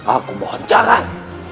aku mohon jangan